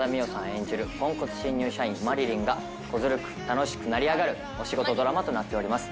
演じるポンコツ新入社員・麻理鈴がこずるく楽しく成り上がるお仕事ドラマとなっております。